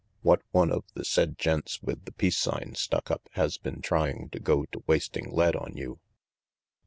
What one of the said gents with the peace sign stuck up has been trying to go to wasting lead on you?"